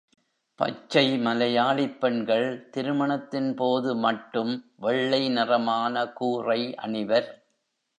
பச்சை மலையாளிப் பெண்கள் திருமணத்தின்போது மட்டும் வெள்ளை நிறமான கூறை அணிவர்.